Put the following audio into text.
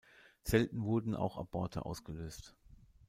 Selten werden auch Aborte ausgelöst.